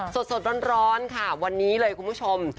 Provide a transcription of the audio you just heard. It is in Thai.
สดร้อนค่ะวันนี้เลยคุณผู้ชม